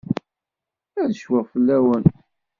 Ad cfuɣ fell-awen.